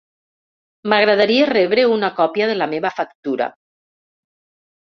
M'agradaria rebre una copia de la meva factura.